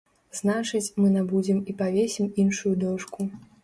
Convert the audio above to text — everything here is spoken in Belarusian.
Значыць, мы набудзем і павесім іншую дошку.